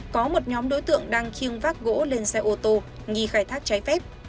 có một nhóm đối tượng đang chiêng vác gỗ lên xe ô tô nghi khai thác trái phép